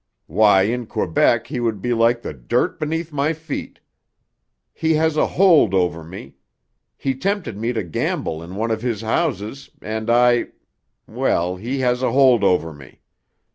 Why in Quebec he would be like the dirt beneath my feet. He has a hold over me; he tempted me to gamble in one of his houses, and I well, he has a hold over me.